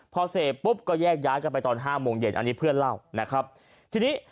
พอเสพปุ๊บก็แยกย้ายกันไปตอนห้าโมงเย็นอันนี้เพื่อนเล่านะครับทีนี้